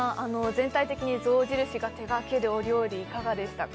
全体的に象印が手掛けるお料理いかがでしたか？